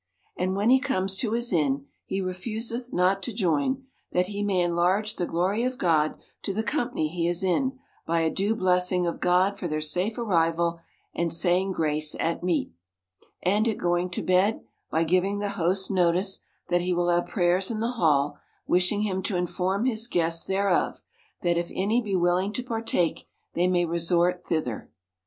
And when he comes to his inn, he refuseth not to join, that he may enlarge the glory of God to the company he is in, by a due blessing of God for their safe arrival, and saying grace at meat : and at going to bed, by giving the host notice, that he will have prayers in the hall, wishing him to inform his guests thereof, that if any be willing to par take, they may resort thither.